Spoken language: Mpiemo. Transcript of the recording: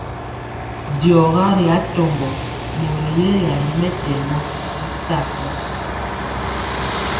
Diɔga ri atombo mori yɛya ri mɛtɛgɔ y sagɔ.